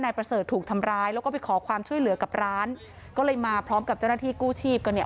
ประเสริฐถูกทำร้ายแล้วก็ไปขอความช่วยเหลือกับร้านก็เลยมาพร้อมกับเจ้าหน้าที่กู้ชีพกันเนี่ย